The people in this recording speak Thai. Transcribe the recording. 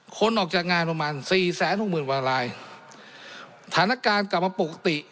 คนออกจากงานประมาณสี่แสนหกหมื่นกว่ารายสถานการณ์กลับมาปกติ